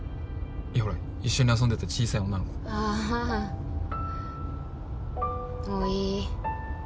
いやほら一緒に遊んでた小さい女の子ああおい